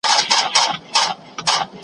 تا به له زګېروي سره بوډۍ لکړه راولي .